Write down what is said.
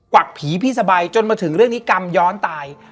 วักผีพี่สบายจนมาถึงเรื่องนี้กรรมย้อนตาย